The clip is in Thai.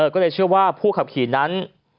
ก็เลยเชื่อว่าผู้ขับขี่นั้น